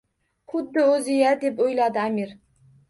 «Xuddi oʼzi-ya!», deb oʼyladi Аmir.